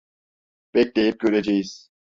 Bekleyip göreceğiz.